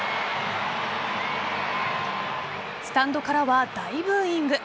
スタンドからは大ブーイング。